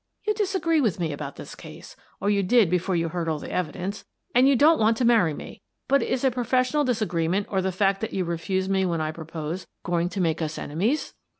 You disagree with me about this case — or you did before you heard all the evidence — and you don't want to marry me. But is a professional disagree ment, or the fact that you refuse me when I pro pose, going to make us enemies?